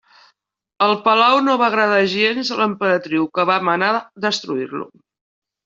El palau no va agradar en absolut a l'emperadriu, que va manar destruir-lo.